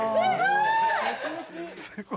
すごい！